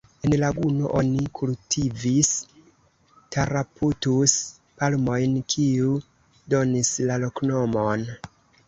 En laguno oni kultivis Taraputus-palmojn, kiu donis la loknomon.